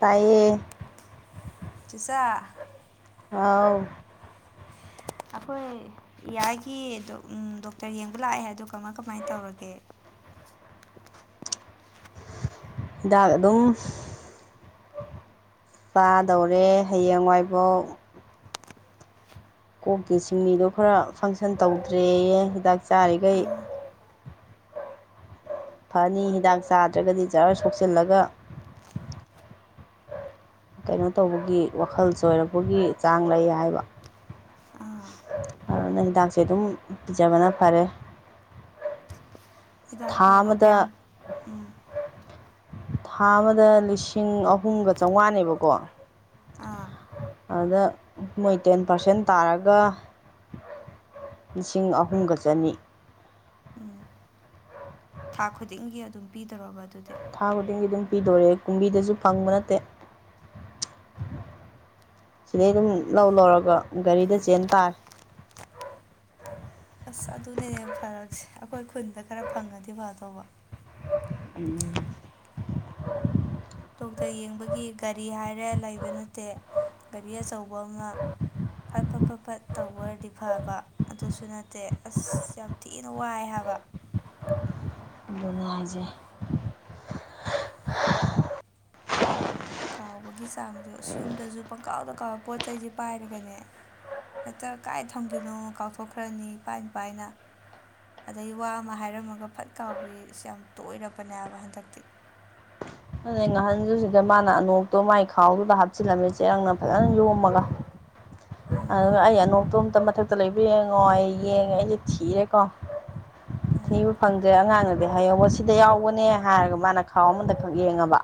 ꯇꯥꯏꯌꯦ [unintelligible] ꯍꯥꯎ ꯑꯈꯣꯏ ꯏꯌꯥꯏꯒꯤ ꯎꯝ ꯗꯣꯛꯇꯔ ꯌꯦꯡꯕ ꯂꯥꯛꯑꯦꯗꯣ ꯀꯃꯥꯏ-ꯀꯃꯥꯏꯅ ꯇꯧꯔꯒꯦ꯫ ꯍꯤꯗꯛ ꯑꯗꯨꯝ ꯆꯥꯗꯧꯔꯦ ꯍꯌꯦꯡꯋꯥꯏꯕꯧ꯫ ꯀꯣꯛꯀꯤ ꯁꯤꯡꯂꯤꯗꯣ ꯈꯔ ꯐꯪꯁꯟ ꯇꯧꯗ꯭ꯔꯦꯌꯦ ꯍꯤꯗꯥꯛ ꯆꯥꯔꯤꯈꯩ꯫ ꯑꯥ ꯐꯅꯤ ꯍꯤꯗꯥꯛ ꯆꯥꯗ꯭ꯔꯒꯗꯤ ꯖ꯭ꯔ ꯁꯣꯛꯆꯤꯜꯂꯒ꯫ ꯀꯩꯅꯣ ꯇꯧꯕꯒꯤ ꯋꯥꯈꯜ ꯆꯣꯏꯔꯛꯄꯒꯤ ꯆꯥꯡ ꯂꯩ ꯍꯥꯏꯕ꯫ ꯑꯗꯨꯅ ꯍꯤꯗꯥꯛꯁꯦ ꯑꯗꯨꯝ ꯄꯤꯖꯕꯅ ꯐꯔꯦ꯫ ꯊꯥ ꯍꯤꯗꯥꯛꯇꯣ ꯑꯃꯗ꯫ ꯀꯌꯥꯝ ꯎꯝ ꯊꯥ ꯑꯃꯗ ꯂꯤꯁꯤꯡ ꯑꯍꯨꯝꯒ ꯆꯥꯝꯉ꯭ꯋꯥꯅꯦꯕꯀꯣ꯫ ꯑꯥ꯫ ꯑꯗꯨꯗ ꯃꯣꯏ ꯇꯦꯟ ꯄꯥꯔꯁꯦꯟ ꯇꯥꯔꯒ꯫ ꯂꯤꯁꯤꯡ ꯑꯍꯨꯝꯒ ꯆꯅꯤ꯫ ꯊꯥ ꯈꯨꯗꯤꯡꯒꯤ ꯑꯗꯨꯝ ꯄꯤꯗꯣꯔꯕ ꯑꯗꯨꯗꯤ꯫ ꯊꯥ ꯈꯨꯗꯤꯡꯒꯤ ꯑꯗꯨꯝ ꯄꯤꯗꯣꯔꯦ ꯀꯨꯝꯕꯤꯗꯁꯨ ꯐꯪꯕ ꯅꯠꯇꯦ꯫ ꯁꯤꯗꯩ ꯑꯗꯨꯝ ꯂꯧ ꯂꯧꯔꯒ ꯒꯥꯔꯤꯗ ꯆꯦꯟ ꯇꯥꯔꯦ꯫ ꯑꯁ ꯑꯗꯨꯅꯦ ꯌꯥꯝ ꯐꯔꯛꯁꯦ ꯑꯈꯣꯏ ꯈꯨꯟꯗ ꯈꯔ ꯐꯪꯉꯗꯤ ꯐꯗꯧꯕ꯫ ꯎꯝ꯫ ꯗꯣꯛꯇꯔ ꯌꯦꯡꯕꯒꯤ ꯒꯥꯔꯤ ꯍꯥꯏꯔꯦ ꯂꯩꯕ ꯅꯠꯇꯦ ꯒꯥꯔꯤ ꯑꯆꯧꯕ ꯑꯃ꯫ ꯐꯠ ꯐꯠ ꯐꯠ ꯐꯠ ꯇꯧꯕ ꯑꯣꯏꯔꯗꯤ ꯐꯕ꯫ ꯑꯗꯨꯁꯨ ꯅꯠꯇꯦ ꯑꯁ ꯌꯥꯝ ꯊꯤꯅ ꯋꯥꯏ ꯍꯥꯏꯕ꯫ ꯀꯩꯅꯣ ꯍꯥꯏꯁꯦ꯫ ꯀꯥꯎꯕꯒꯤ ꯆꯥꯡꯗꯣ ꯑꯁ ꯌꯨꯝꯗꯁꯨ ꯄꯪꯀꯥꯎꯗ ꯀꯥꯎꯕ ꯄꯣꯠ ꯆꯩꯩꯁꯦ ꯄꯥꯏꯔꯒꯅꯦ꯫ ꯍꯦꯛꯇ ꯀꯥꯏ ꯊꯝꯒꯤꯅꯣ ꯀꯥꯎꯊꯣꯛꯈ꯭ꯔꯅꯤ ꯄꯥꯥꯏꯅ-ꯄꯥꯏꯅ꯫ ꯑꯗꯩꯒꯤ ꯋꯥ ꯑꯃ ꯍꯥꯏꯔꯝꯃꯒ ꯐꯠ ꯀꯥꯎꯕꯤꯁ ꯌꯥꯝ ꯇꯣꯏꯔꯕꯅꯦ ꯍꯏꯕ ꯍꯟꯗꯛꯇꯤ꯫ ꯑꯗꯩ ꯉꯍꯟꯖꯨ ꯁꯤꯗ ꯃꯥꯅ ꯑꯅꯣꯛꯇꯣ ꯃꯥꯒꯤ ꯈꯥꯎꯗꯨꯗ ꯍꯥꯞꯆꯤꯜꯂꯝꯃꯦ ꯆꯦꯔꯪꯅ ꯐꯖꯅ ꯌꯣꯝꯃꯒ꯫ [inaudible] ꯑꯗꯨꯒ ꯑꯩ ꯑꯅꯣꯛꯇꯣ ꯑꯝꯇ ꯃꯊꯛꯇ ꯂꯩꯕ ꯌꯦꯡꯉꯣ ꯑꯦ ꯌꯦꯡꯉꯦ ꯑꯩꯁꯦ ꯊꯤꯔꯦꯀꯣ꯫ ꯎꯝ ꯊꯤꯕ ꯐꯪꯗ꯭ꯔꯦ ꯑꯉꯥꯡꯅꯗꯤ ꯍꯥꯏꯍꯎꯕ ꯁꯤꯗ ꯌꯥꯎꯕꯅꯦ ꯍꯥꯏꯔꯒ ꯃꯥꯅ ꯈꯥꯎ ꯑꯃꯗ ꯈꯛ ꯌꯦꯡꯉꯕ꯫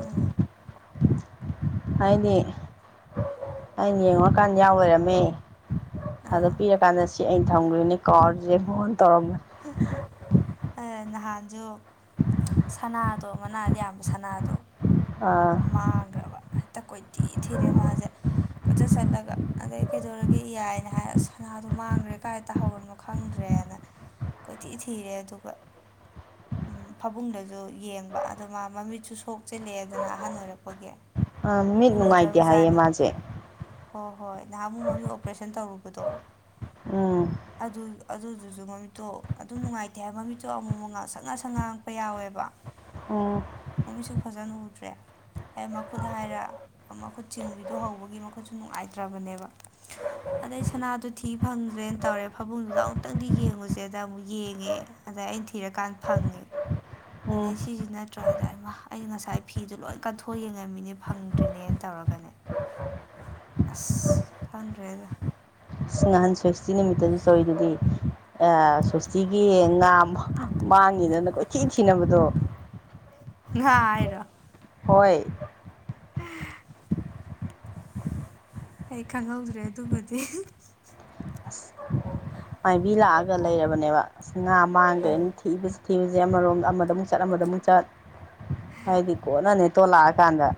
ꯎꯝ꯫ ꯍꯥꯏꯗꯤ ꯑꯩꯅ ꯌꯦꯡꯉꯨꯔꯀꯥꯟꯗ ꯌꯥꯎ ꯂꯩꯔꯝꯃꯦ ꯑꯗ ꯑꯥ ꯄꯤꯔꯛ ꯀꯥꯟꯗ ꯁꯤ ꯑꯩꯅ ꯊꯝꯈ꯭ꯔꯤꯅꯤ ꯀꯥꯎꯔꯤꯁꯦ ꯀꯣ ꯇꯧꯔꯝꯕꯅꯤ꯫ [inaudible] ꯍꯦ ꯅꯍꯥꯟꯁꯨ ꯁꯅꯥꯗꯣ ꯃꯅꯥꯗ ꯌꯥꯟꯕ ꯁꯅꯥꯗꯣ꯫ ꯑꯥ ꯃꯥꯡꯈ꯭ꯔꯕ ꯍꯦꯛꯇ ꯀꯣꯏꯊꯤ ꯊꯤꯔꯦ ꯃꯥꯁꯦ꯫ ꯀꯣꯏꯆꯠ ꯆꯠꯂꯒ ꯑꯗꯩ ꯀꯩꯗꯧꯔꯒꯦ ꯌꯥꯏꯅ ꯍꯥꯏꯔ ꯁꯅꯥꯗꯣ ꯃꯥꯡꯈ꯭ꯔꯦ ꯀꯥꯏ ꯇꯍꯧꯔꯕꯅꯣ ꯈꯪꯗ꯭ꯔꯦꯅ ꯀꯣꯏꯊꯤ ꯊꯤꯔꯦ ꯑꯗꯨꯒ ꯐꯕꯨꯡꯗꯁꯨ ꯌꯦꯡꯕ ꯑꯗꯣ ꯃꯥ ꯃꯃꯤꯠꯁꯨ ꯁꯣꯛꯆꯤꯜꯂꯛꯑꯦꯗꯅ ꯑꯍꯟ ꯑꯣꯏꯔꯛꯄꯒꯤ꯫ ꯑ ꯃꯤꯠ ꯅꯨꯡꯉꯥꯏꯇꯦ ꯍꯥꯏꯌꯦ ꯎꯗ꯭ꯔꯕꯖꯥꯠꯅꯦ ꯃꯥꯁꯦ꯫ ꯍꯣꯏ ꯍꯣꯏ ꯅꯍꯥꯟ ꯑꯃꯨꯛ ꯃꯃꯤꯠ ꯑꯣꯄꯔꯦꯁꯟ ꯇꯧꯔꯨꯕꯗꯣ꯫ ꯎꯝ꯫ ꯑꯗꯨ ꯑꯗꯨꯗꯨꯁꯨ ꯃꯃꯤꯠꯇꯣ ꯑꯗꯨꯝ ꯅꯨꯡꯉꯥꯏꯇꯦ ꯍꯥꯏꯕ ꯃꯃꯤꯠꯇꯣ ꯑꯃꯨ ꯑꯃꯨꯛ ꯉꯥꯡꯁꯪ ꯉꯡꯁꯪ ꯉꯥꯡꯉꯛꯄ ꯌꯥꯎꯋꯦꯕ꯫ ꯎꯝ ꯃꯃꯤꯠꯁꯨ ꯐꯖꯅ ꯎꯗ꯭ꯔꯦ꯫ ꯑꯦ ꯃꯈꯨꯠ ꯍꯥꯏꯔꯦ ꯃꯈꯨꯠ ꯆꯤꯡꯕꯤꯗꯨ ꯍꯧꯕꯒꯤ ꯃꯈꯨꯠꯁꯨ ꯅꯨꯡꯉꯥꯏꯇ꯭ꯔꯕꯅꯦꯕ꯫ ꯑꯗꯩ ꯁꯅꯥꯗꯣ ꯊꯤ ꯐꯪꯗ꯭ꯔꯦꯅ ꯇꯧꯔꯦ ꯐꯥꯃꯨꯡꯗꯨꯗ ꯑꯃꯨꯛꯇꯪꯗꯤ ꯌꯦꯡꯉꯨꯁꯦꯗ ꯑꯃꯨꯛ ꯌꯦꯡꯉꯦ ꯑꯗ ꯑꯩꯅ ꯊꯤꯔꯀꯥꯟꯗ ꯐꯪꯉꯦ ꯎꯝ ꯑꯗꯩ ꯁꯤꯁꯤ ꯅꯠꯇ꯭ꯔꯥ ꯍꯥꯏꯗꯥꯏꯃ ꯑꯩꯅ ꯉꯁꯥꯏ ꯐꯤꯗꯣ ꯂꯣꯏ ꯀꯟꯊꯣꯛ ꯌꯦꯡꯉꯝꯃꯤꯅꯦ ꯐꯪꯗ꯭ꯔꯤꯅꯦꯅ ꯇꯧꯔꯒꯅꯦ ꯑꯁ ꯈꯪꯗ꯭ꯔꯦꯗ ꯑꯁ ꯉꯍꯥꯟ ꯁꯋꯁꯇꯤ ꯅꯨꯃꯤꯠꯇꯁꯨ ꯇꯧꯔꯤꯗꯨꯗꯤ ꯑꯦ ꯁꯨꯁꯇꯤꯒꯤ ꯉꯥ ꯃꯥ ꯃꯥꯡꯉꯤꯗꯅ ꯀꯣꯏꯊꯤ ꯊꯤꯅꯕꯗꯣ ꯉꯥ ꯍꯥꯏꯔꯣ ꯍꯣꯏ ꯑꯩ ꯈꯪꯍꯧꯗ꯭ꯔꯦ ꯑꯗꯨꯃꯗꯤ ꯑꯁ ꯃꯥꯏꯕꯤ ꯂꯥꯛꯑꯒ ꯂꯩꯔꯕꯅꯦꯕ ꯑꯁ ꯉꯥ ꯑꯥ ꯃꯥꯡꯈ꯭ꯔꯦꯅ ꯊꯤꯕꯁꯤ ꯊꯤꯕꯁꯦ ꯑꯃꯔꯣꯝꯗ ꯑꯃꯗꯃꯨꯛ ꯆꯠ ꯑꯃꯗꯃꯨꯛ ꯆꯠ ꯍꯥꯏꯗꯤ ꯀꯣꯟꯅꯅꯦ ꯇꯣꯂꯥꯛꯑꯀꯥꯟꯗ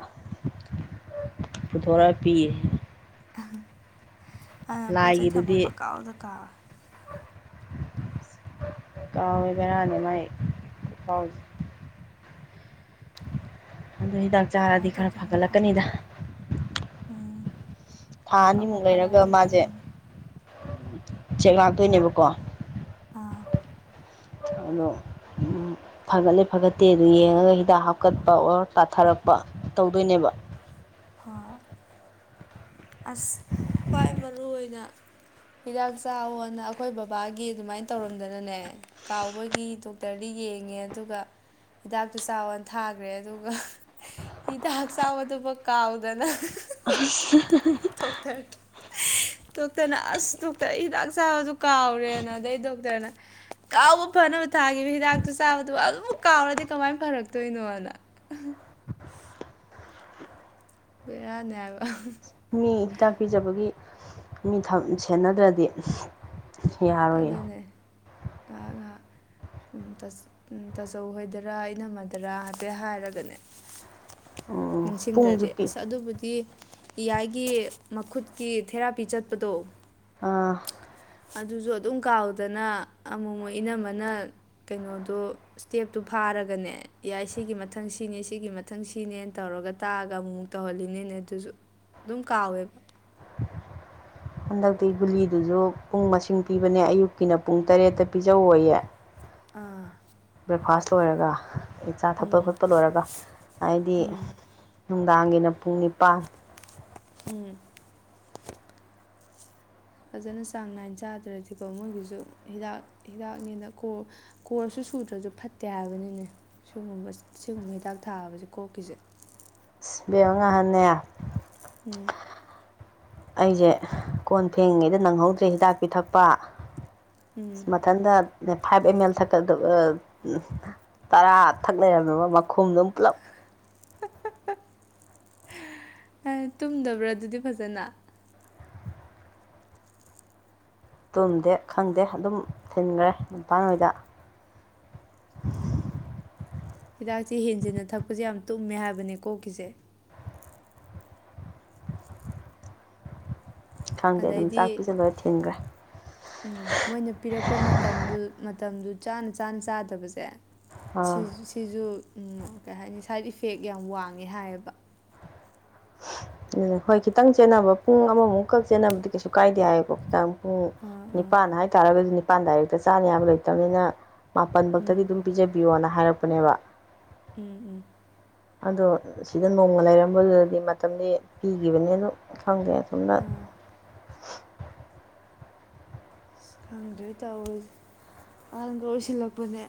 ꯄꯨꯊꯣꯔ ꯄꯤꯌꯦ ꯑꯗꯨꯅ ꯄꯣꯠ ꯆꯩꯩ ꯊꯃ ꯂꯥꯏꯒꯤꯗꯨꯗꯤ ꯄꯪꯀꯥꯎꯗ ꯀꯥꯎ ꯀꯥꯎꯋꯦ ꯕꯦꯔꯥꯅꯤ ꯃꯥꯏ ꯐꯥꯎꯖꯦ ꯑꯗꯨ ꯍꯤꯗꯥꯛ ꯆꯥꯔꯗꯤ ꯀꯃꯥꯏꯅ ꯈꯔ ꯇꯧꯗꯣꯏꯅꯣ ꯈꯪꯗꯦ ꯐꯒꯠꯂꯛꯀꯅꯤꯗ ꯎꯝ ꯊꯥ ꯐꯕꯨ ꯑꯅꯤꯃꯨꯛ ꯂꯩꯔꯒ ꯐꯔꯛꯑꯗꯤ ꯃꯥꯁꯦ ꯐꯩꯌꯦꯅꯦ ꯆꯦꯛ ꯂꯥꯛꯇꯣꯏꯅꯦꯕꯀꯣ ꯑꯥ ꯑꯗꯣ ꯎꯝ ꯐꯒꯠꯂꯦ ꯐꯒꯠꯇꯦ ꯑꯗꯨ ꯌꯦꯡꯉꯒ ꯍꯤꯗꯥꯛ ꯍꯥꯞꯀꯠꯄ ꯑꯣꯔ ꯀꯥꯊꯔꯛꯄ ꯇꯧꯗꯣꯏꯅꯦꯕ ꯍꯣꯏ ꯑꯁ ꯈ꯭ꯋꯥꯏ ꯃꯔꯨ ꯑꯣꯏꯅ ꯍꯤꯗꯥꯛ ꯆꯥꯑꯣꯅ ꯑꯈꯣꯏ ꯕꯕꯥꯒꯤ ꯑꯗꯨꯃꯥꯏꯟ ꯇꯧꯔꯝꯗꯅꯅꯦ ꯀꯥꯎꯕꯒꯤ ꯗꯣꯛꯇꯔꯗꯤ ꯌꯦꯡꯉꯦ ꯑꯗꯨꯒ ꯍꯤꯗꯥꯛꯇꯨ ꯆꯥꯎꯅ ꯊꯥꯈ꯭ꯔꯦ ꯑꯗꯨꯒ ꯍꯤꯗꯥꯛ ꯆꯥꯕꯗꯨꯕꯧ ꯀꯥꯎꯗꯅ ꯑꯁ ꯇꯣꯛꯇꯥꯔꯗ ꯗꯣꯛꯇꯔꯅ ꯑꯁ ꯗꯣꯛꯇꯔ ꯑꯩ ꯍꯤꯗꯥꯛ ꯆꯥꯕꯁꯨ ꯀꯥꯎꯔꯦꯅ ꯑꯗꯩ ꯗꯣꯛꯇꯔꯅ ꯀꯥꯎꯕ ꯐꯅꯕ ꯊꯥꯈꯤꯕ ꯍꯤꯗꯥꯛꯇꯨ ꯆꯥꯕꯗꯨ ꯑꯗꯨꯃꯨꯛ ꯀꯥꯎꯔꯗꯤ ꯀꯃꯥꯏ ꯐꯔꯛꯇꯣꯏꯅꯣꯅ ꯕꯦꯔꯥꯅꯤ ꯍꯥꯏꯕ ꯃꯤ ꯍꯤꯗꯥꯛ ꯄꯤꯖꯕꯒꯤ ꯃꯤ ꯊꯝ ꯁꯦꯟꯅꯗ꯭ꯔꯗꯤ ꯌꯥꯔꯣꯏꯌꯦ ꯑꯗꯨꯅꯦ ꯉꯍꯥꯛ ꯉꯍꯥꯛ ꯎꯝ ꯇꯥꯁ ꯎꯝ ꯇꯥꯆꯧ ꯍꯣꯏꯗꯔꯥ ꯏꯅꯝꯃꯗꯔꯥ ꯍꯥꯏꯐꯦꯠ ꯍꯥꯏꯔꯒꯅꯦ ꯎꯝ ꯅꯤꯡꯁꯤꯡꯗ꯭ꯔꯗꯤ ꯑꯁ ꯑꯗꯨꯕꯨꯗꯤ ꯏꯌꯥꯏꯒꯤ ꯃꯈꯨꯠꯀꯤ ꯊꯦꯔꯥꯄꯤ ꯆꯠꯄꯗꯣ ꯑꯗꯨꯁꯨ ꯑꯗꯨꯝ ꯀꯥꯎꯗꯅ ꯑꯃꯨꯛꯃꯨꯛ ꯏꯅꯝꯃꯅ ꯀꯩꯅꯣꯗꯣ ꯏꯁꯇꯦꯞꯇꯨ ꯐꯥꯔꯒꯅꯦ ꯌꯥꯏ ꯁꯤꯒꯤ ꯃꯊꯪ ꯁꯤꯅꯤ ꯁꯤꯒꯤ ꯃꯊꯪ ꯁꯤꯅꯦꯅ ꯇꯧꯔꯒ ꯇꯥꯛꯑꯒ ꯑꯃꯨꯃꯨꯛ ꯇꯧꯍꯜꯂꯤꯅꯦꯅꯦ ꯑꯗꯨꯁꯨ ꯑꯗꯨꯝ ꯀꯥꯎꯋꯦꯕ ꯍꯟꯗꯛꯇꯤ ꯒꯨꯂꯤꯗꯨꯁꯨ ꯄꯨꯡ ꯃꯁꯤꯡ ꯄꯤꯕꯅꯦ ꯑꯌꯨꯛꯀꯤꯅ ꯄꯨꯡ ꯇꯔꯦꯠꯇ ꯄꯤꯖ ꯑꯣꯏꯌꯦ ꯑꯥ ꯕ꯭ꯔꯦꯛꯐꯥꯁ ꯂꯣꯏꯔꯒ ꯑꯗꯩ ꯆꯥ ꯊꯛꯄ ꯈꯣꯠꯄ ꯂꯣꯏꯔꯒ ꯍꯥꯏꯗꯤ ꯅꯨꯡꯗꯥꯡꯒꯤꯅ ꯄꯨꯡ ꯅꯤꯄꯥꯟ ꯎꯝ ꯐꯖꯅ ꯆꯥꯡ ꯅꯥꯏꯅ ꯆꯥꯗ꯭ꯔꯗꯤꯀꯣ ꯃꯣꯏꯒꯤꯁꯨ ꯍꯤꯗꯥꯛ ꯍꯤꯗꯥꯛꯅꯤꯅꯀꯣ ꯀꯣꯔ꯭ꯁꯁꯨ ꯁꯨꯗ꯭ꯔꯁꯨ ꯐꯠꯇꯦ ꯍꯥꯏꯕꯅꯤꯅꯦ ꯁꯤꯒꯨꯝꯕ ꯁꯤꯒꯨꯝꯕ ꯍꯤꯗꯥꯛ ꯊꯥꯕꯁꯦ ꯀꯣꯛꯀꯤꯁꯦ ꯏꯁ ꯏꯕꯦꯝꯃꯥ ꯉꯍꯥꯟꯅꯦ ꯎꯝ ꯑꯩꯁꯦ ꯀꯣꯟ ꯐꯦꯡꯉꯤꯉꯩꯗ ꯅꯪꯍꯧꯗ꯭ꯔꯦ ꯍꯤꯗꯥꯛ ꯄꯤꯊꯛꯄ ꯎꯝ ꯃꯊꯟꯗ ꯐꯥꯏꯚ ꯑꯦꯝ ꯑꯦꯜ ꯊꯛꯀꯗ ꯇꯔꯥ ꯊꯛ ꯂꯩꯔꯝꯃꯦꯕ ꯃꯈꯨꯝꯗꯨꯝ ꯄꯨꯂꯞ ꯇꯨꯝꯗꯕ꯭ꯔꯥ ꯑꯗꯨꯗꯤ ꯐꯖꯅ ꯇꯨꯝꯗꯦ ꯈꯪꯗꯦ ꯑꯗꯨꯝ ꯊꯤꯟꯒꯔꯦ ꯍꯤꯗꯥꯛꯁꯦ ꯍꯦꯟꯖꯤꯟꯅ ꯊꯛꯄꯁꯦ ꯌꯥꯝ ꯇꯨꯝꯃꯦ ꯍꯥꯏꯕꯅꯦ ꯀꯣꯛꯀꯤꯁꯦ ꯈꯪꯗꯦ ꯑꯗꯨꯝ ꯆꯥꯛ ꯑꯗꯩꯗꯤ ꯄꯤꯖ ꯂꯣꯏꯔ ꯊꯤꯟꯒꯔꯦ ꯎꯝ ꯃꯣꯏꯅ ꯄꯤꯔꯛꯄ ꯃꯇꯝꯗꯨ ꯃꯇꯝꯗꯨ ꯆꯥꯅ ꯆꯥꯅ ꯆꯥꯗꯕꯁꯦ ꯑꯥ ꯁꯤꯁꯨ ꯎꯝ ꯀꯩ ꯍꯥꯏꯅꯤ ꯁꯥꯏꯠ ꯏꯐꯦꯛ ꯌꯥꯝ ꯋꯥꯡꯉꯦ ꯍꯥꯏꯌꯦꯕ ꯍꯣꯏ ꯈꯤꯇꯪ ꯆꯦꯟꯅꯕ ꯄꯨꯡ ꯑꯃꯃꯨꯛꯀꯛ ꯆꯦꯟꯅꯕꯗꯤ ꯀꯩꯁꯨ ꯀꯥꯏꯗꯦ ꯍꯥꯏꯌꯦꯀꯣ ꯈꯤꯇꯪ ꯎꯝ ꯑꯥ ꯑꯥ ꯅꯤꯄꯥꯟ ꯍꯥꯏꯇꯥꯔꯒꯁꯨ ꯅꯤꯄꯥꯟ ꯗꯥꯏꯔꯦꯛꯇ ꯆꯥꯅꯤ ꯍꯥꯏꯕ ꯂꯩꯇꯕꯅꯤꯅ ꯃꯥꯄꯟ ꯕꯥꯎꯇꯗꯤ ꯎꯝ ꯑꯗꯨꯝ ꯄꯤꯖꯕꯤꯌꯣꯅ ꯍꯥꯏꯔꯛꯄꯅꯦꯕ ꯎꯝ ꯎꯝ ꯑꯗꯣ ꯁꯤꯗ ꯅꯣꯡꯃ ꯂꯩꯔꯝꯕꯗꯨꯗꯗꯤ ꯃꯇꯝꯗꯤ ꯄꯤꯈꯤꯕꯅꯦ ꯑꯗꯨ ꯈꯪꯗꯦ ꯑꯁꯣꯝꯅ ꯑꯥ ꯑꯁ ꯈꯪꯗ꯭ꯔꯦ ꯇꯧꯔꯤꯁꯦ ꯑꯍꯟꯁꯨ ꯑꯣꯏꯁꯤꯜꯂꯛꯄꯅꯦ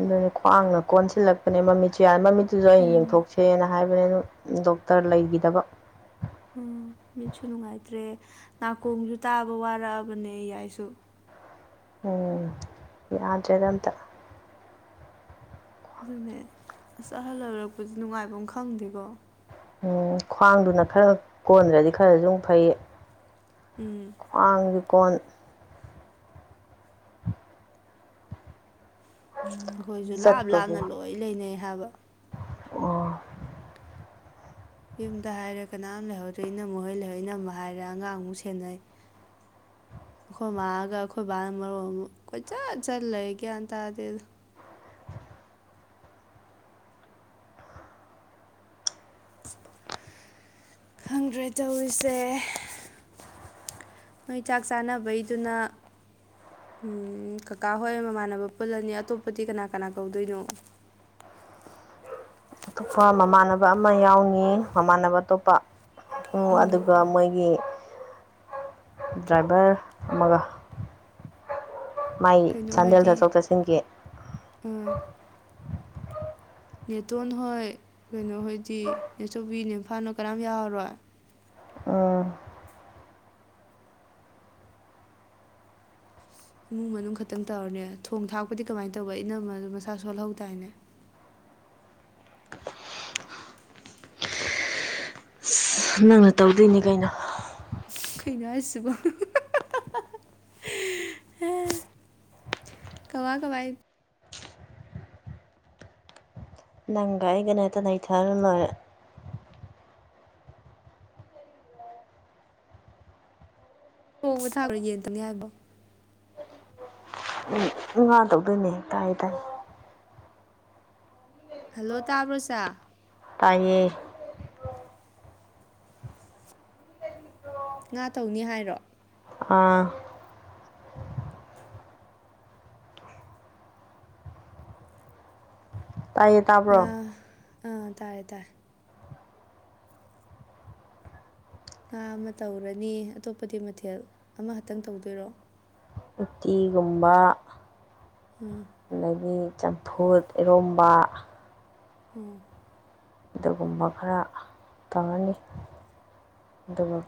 ꯑꯗꯨꯅꯦ ꯈ꯭ꯋꯥꯡꯅ ꯀꯣꯟꯁꯤꯜꯂꯛꯄꯅꯦ ꯃꯃꯤꯠꯁꯨ ꯌꯥꯔꯦ ꯃꯃꯤꯠꯇꯨꯁꯨ ꯑꯩꯅ ꯎꯝ ꯌꯦꯡꯊꯣꯛꯁꯦꯅ ꯍꯥꯏꯕ ꯑꯗꯨꯅꯦꯗꯨꯝ ꯗꯣꯛꯇꯔ ꯂꯩꯒꯤꯗꯕ ꯎꯝ ꯃꯤꯠꯁꯨ ꯅꯨꯡꯉꯥꯏꯇ꯭ꯔꯦ ꯅꯥꯀꯣꯡꯁꯨ ꯇꯥꯕ ꯋꯥꯔꯛꯑꯕꯅꯦ ꯌꯥꯏꯁꯨ ꯎꯝ ꯌꯥꯗ꯭ꯔꯦꯗ ꯑꯝꯇ ꯑꯗꯨꯅꯦ ꯑꯁ ꯑꯍꯜ ꯑꯣꯏꯔꯛꯄꯁꯦ ꯅꯨꯡꯉꯥꯏꯕꯃ ꯈꯪꯗꯦꯀꯣ ꯎꯝ ꯈ꯭ꯋꯥꯡꯗꯨꯅ ꯈꯔ ꯀꯣꯟꯗ꯭ꯔꯗꯤ ꯈꯔꯁꯨ ꯃꯨꯛ ꯐꯩꯌꯦ ꯎꯝ ꯈꯋ꯭ꯥꯡꯁꯨ ꯀꯣꯟ ꯑꯈꯣꯏꯁꯨ ꯂꯥꯞ ꯂꯥꯞꯅ ꯆꯠꯄꯕꯨ ꯂꯣꯏ ꯂꯩꯅꯩ ꯍꯥꯏꯕ ꯑꯣ ꯌꯨꯝꯗ ꯍꯥꯏꯔꯦ ꯀꯅꯥꯝ ꯂꯩꯍꯧꯗꯔꯦ ꯏꯅꯝꯃꯥ ꯍꯣꯏ ꯂꯩꯍꯧꯏ ꯏꯅꯝꯃꯥ ꯍꯥꯏꯔꯦ ꯑꯉꯥꯡꯃꯨꯛ ꯁꯦꯟꯅꯩ ꯑꯈꯣꯏ ꯃꯥꯒꯥ ꯑꯈꯣꯏ ꯕꯥꯒꯅꯥ ꯃꯔꯣꯟ ꯑꯃ ꯀꯣꯏꯆꯠ ꯆꯠꯂ ꯂꯩ ꯒꯌ꯭ꯥꯟ ꯇꯥꯗꯦꯗ [unintelligible] ꯈꯪꯗ꯭ꯔꯦ ꯇꯧꯔꯤꯁꯦ ꯅꯣꯏ ꯆꯥꯛ ꯆꯥꯅꯕꯩꯗꯨꯅ ꯎꯝ ꯀꯀꯥ ꯍꯣꯏ ꯃꯃꯥꯟꯅꯕ ꯄꯨꯜꯂꯅꯤ ꯑꯇꯣꯞꯄꯗꯤ ꯀꯅꯥ ꯀꯅꯥ ꯀꯧꯗꯣꯏꯅꯣ ꯑꯇꯣꯞꯄ ꯃꯃꯥꯟꯅꯕ ꯑꯃ ꯌꯥꯎꯅꯤ ꯃꯃꯥꯟꯅꯕ ꯑꯇꯣꯞꯄ ꯎꯝ ꯑꯗꯨꯒ ꯃꯣꯏꯒꯤ ꯗ꯭ꯔꯥꯏꯚꯔ ꯑꯃꯒ ꯃꯥꯏ ꯀꯩꯅꯣ ꯆꯥꯟꯗꯦꯜ ꯍꯣꯏꯗꯤ ꯆꯠꯊꯣꯛ ꯆꯠꯁꯤꯟꯒꯤ ꯑꯥ ꯅꯦꯇꯣꯟ ꯍꯣꯏ ꯀꯩꯅꯣ ꯍꯣꯏꯗꯤ ꯅꯦꯆꯧꯕꯤ ꯅꯦꯐꯥꯜꯅꯣ ꯀꯅꯥꯝ ꯌꯥꯎꯔꯔꯣꯏ ꯎꯝ ꯏꯃꯨꯡ ꯃꯅꯨꯡ ꯈꯛꯇꯪ ꯇꯧꯔꯅꯦ ꯊꯣꯡ ꯊꯥꯛꯄꯗꯤ ꯀꯃꯥꯏꯅ ꯇꯧꯕ ꯢꯅꯝꯃꯥꯗꯨ ꯃꯁꯥ ꯁꯣꯜꯍꯧ ꯗꯥꯏꯅꯦ ꯑꯁ ꯅꯪꯅ ꯇꯧꯗꯣꯏꯅꯤ ꯀꯩꯅꯣ ꯀꯩꯅꯣ ꯍꯥꯌꯁꯤꯕꯣ ꯀꯃꯥ ꯀꯥꯃꯥꯏ ꯅꯪꯒ ꯑꯩꯒꯅ ꯍꯦꯇ ꯅꯩꯊꯔ ꯂꯣꯏꯔꯦ ꯊꯣꯡꯕ ꯊꯥ [unintelligible] ꯍ‌ꯣꯔ‌ꯦꯟ ꯌꯦꯟ ꯊ‌ꯣꯡꯅꯤ ꯍꯥꯏꯕꯣ [unintelligible] ꯉꯥ ꯇꯧꯗꯣꯏꯅꯦ ꯇꯥꯏ ꯇꯥꯏ ꯍꯜꯂꯣ ꯇꯥꯕ꯭ꯔꯣ ꯆꯥꯥ ꯇꯥꯏꯌꯦ ꯉꯥ ꯇꯧꯅꯤ ꯍꯥꯏꯔꯣ ꯑꯥ ꯇꯥꯏꯌꯦ ꯇꯥꯕ꯭ꯔꯣ ꯉꯥ ꯑꯥ ꯇꯥꯔ‌ꯦ ꯇꯥ ꯉꯥ ꯑꯃ ꯇꯧꯔꯅꯤ ꯑꯇꯣꯞꯄꯗꯤ ꯃꯊꯦꯜ ꯑꯃꯈꯛꯇꯪ ꯇꯧꯗꯣꯏꯔꯣ ꯎꯇꯤꯒꯨꯝꯕ ꯎꯝ ꯑꯗꯒꯤ ꯆꯝꯐꯨꯠ ꯏꯔꯣꯝꯕꯥ ꯎꯝ ꯑꯗꯨꯒꯨꯝꯕ ꯈꯔ ꯇꯧꯔꯅꯤ ꯗꯨꯒ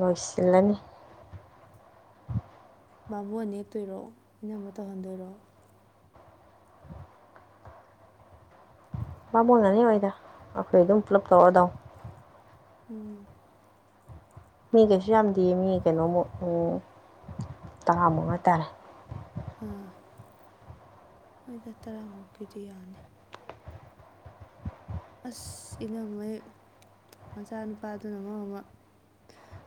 ꯂꯣꯏꯁꯤꯜꯂꯅꯤ ꯕꯥꯃꯣꯟ ꯅꯦꯛꯇꯣꯏꯔꯣ ꯏꯅꯝꯃ ꯇꯧꯍꯟꯗꯣꯏꯔꯣ ꯕꯥꯃꯣꯟꯒ ꯅꯦꯛꯑꯣꯏꯗ ꯑꯈꯣꯏ ꯑꯗꯨꯝ ꯄꯨꯂꯞ ꯇꯧꯔꯗꯧ ꯎꯝ ꯃꯤ ꯀꯩꯁꯨ ꯌꯥꯝꯗꯤꯌꯦ ꯃꯤ ꯀꯩꯅꯣꯃꯨꯛ ꯎꯝ ꯇꯔꯥꯃꯨꯛ ꯍꯥꯏꯇꯥꯔꯦ ꯑꯥ ꯍꯣꯏꯗ ꯇꯔꯥꯃꯨꯛꯀꯤꯗꯤ ꯌꯥꯅꯤ ꯑꯁ ꯏꯅꯝꯃꯩ ꯃꯆꯥꯅꯨꯄꯥꯗꯨꯅ ꯃꯔꯣꯝꯃ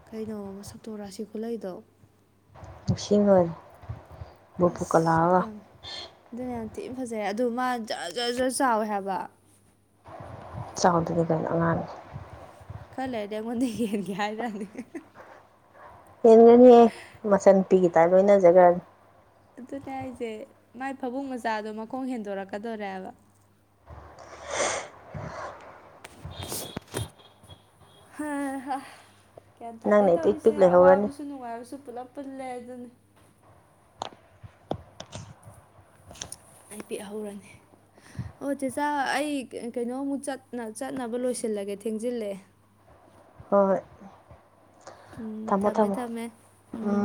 ꯀꯩꯅꯣ ꯃꯁꯛꯇꯣ ꯔꯥꯁꯤ ꯈꯨꯂꯩꯗꯣ ꯅꯧꯡꯁꯤꯕꯟ ꯑꯁ ꯌꯥꯝ ꯑꯗꯨꯅ ꯌꯥꯝ ꯊꯤ ꯐꯖꯩ ꯑꯗꯨ ꯃꯥ ꯖꯔ ꯖꯔ ꯖꯔ ꯆꯥꯎꯋꯦ ꯍꯥꯏꯕ ꯆꯥꯎꯗꯗꯤ ꯀꯩꯅꯣ ꯑꯉꯥꯡ ꯈꯔ ꯂꯩꯔꯗꯤ ꯑꯩꯉꯣꯟꯗꯩ ꯍꯦꯟꯒꯦ ꯍꯥꯏꯔꯅꯤ ꯍꯦꯟꯒꯔꯅꯤꯍꯦ ꯃꯆꯟ ꯅꯨꯨꯄꯤꯒꯤ ꯇꯥꯏꯞ ꯂꯣꯏꯅꯖꯒ꯭ꯔꯟ ꯑꯗꯨꯅꯦ ꯍꯥꯏꯖꯦ ꯃꯥꯏ ꯐꯃꯨꯡ ꯃꯆꯥꯗꯣ ꯃꯈꯣꯡ ꯍꯦꯟꯗꯣꯔꯛꯀꯗꯣꯔꯦꯕ ꯍ ꯍꯥ ꯒ꯭ꯌꯥꯟ ꯇꯥꯗꯦ ꯅꯪꯅ ꯏꯄꯤꯛ ꯇꯧꯔꯤꯁꯦ ꯄꯤꯛ ꯂꯩꯍꯧꯔꯅꯤ ꯑꯋꯥꯕꯁꯨ ꯅꯨꯡꯉꯥꯏꯕꯁꯨ ꯄꯨꯂꯞ ꯄꯨꯜꯂꯦ ꯑꯗꯨꯅꯤ ꯑꯩ ꯄꯤꯛꯍꯧꯔꯅ‌ꯦ ꯑꯣ ꯆꯦꯆꯥ ꯑꯩ ꯀ ꯀꯩꯅꯣꯃꯨꯛ ꯆꯠꯅ ꯆꯠꯅꯕ ꯂꯣꯏꯁꯤꯜꯂꯒꯦ ꯊꯦꯡꯖꯤꯜꯂꯦ ꯍ‌ꯣꯍꯣꯏ ꯎꯝ ꯊꯝꯃꯦ ꯊꯝꯃꯦ ꯎꯝ